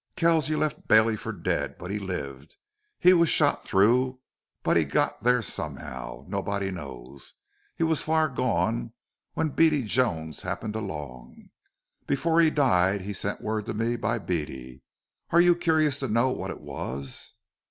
"Kells, you left Bailey for dead. But he lived. He was shot through, but he got there somehow nobody knows. He was far gone when Beady Jones happened along. Before he died he sent word to me by Beady.... Are you curious to know what it was?"